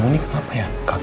beres lah ya emang